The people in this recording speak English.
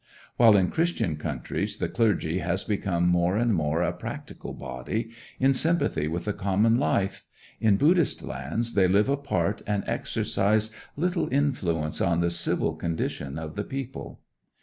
While in Christian countries the clergy has become more and more a practical body, in sympathy with the common life, in Buddhist lands they live apart and exercise little influence on the civil condition of the people.